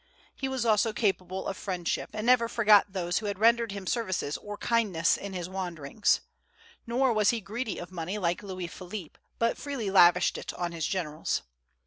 He was also capable of friendship, and never forgot those who had rendered him services or kindness in his wanderings. Nor was he greedy of money like Louis Philippe, but freely lavished it on his generals.